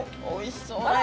おいしそう！